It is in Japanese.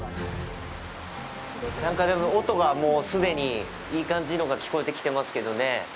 なんか、でも音がもう既にいい感じのが聞こえてきてますけどね。